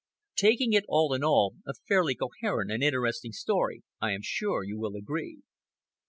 Taking it all in all, a fairly coherent and interesting story I am sure you will agree.